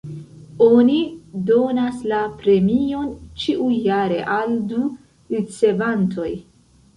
Oni donas la premion ĉiujare al du ricevantoj.